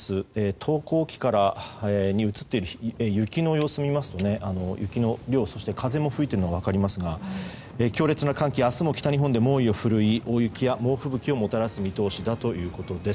投光機に映っている雪の様子を見ますと雪の量、そして風も吹いているのが分かりますが強烈な寒気明日も北日本で猛威を振るい大雪や猛吹雪をもたらす見通しだということです。